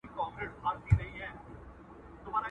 په دې منځ کي شېردل نومي داړه مار وو،